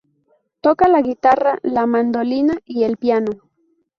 Toca la guitarra, la mandolina y el piano.